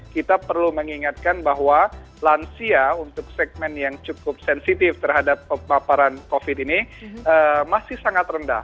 kita perlu mengingatkan bahwa lansia untuk segmen yang cukup sensitif terhadap paparan covid ini masih sangat rendah